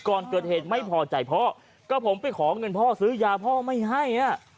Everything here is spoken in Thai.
ก่อนเกิดเหตุไม่พอใจพ่อก็ผมไปขอเงินพ่อซื้อยาพ่อไม่ให้